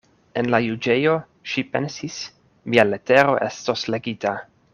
En la juĝejo, ŝi pensis, mia letero estos legita.